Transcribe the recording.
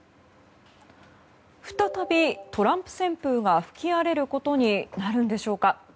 再びトランプ旋風が吹き荒れることになるんでしょうか。